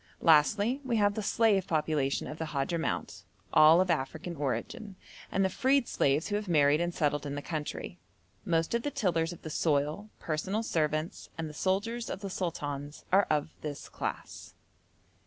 Lastly, we have the slave population of the Hadhramout, all of African origin, and the freed slaves who have married and settled in the country. Most of the tillers of the soil, personal servants, and the soldiers of the sultans are of this class.